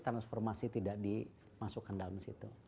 transformasi tidak dimasukkan dalam situ